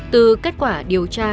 từ kết quả điều tra